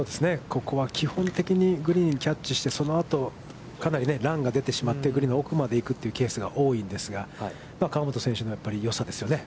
ここは基本的にグリーンをキャッチして、そのあと、かなりランが出てしまってグリーンの奥まで行くというケースが多いんですが、河本選手のよさですよね。